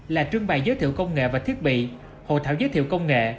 là trương bài giới thiệu công nghệ và thiết bị hội thảo giới thiệu công nghệ